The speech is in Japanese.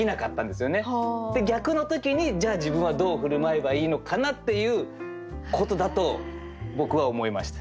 で逆の時にじゃあ自分はどう振る舞えばいいのかなっていうことだと僕は思いました。